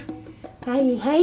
はいはい。